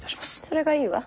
それがいいわ。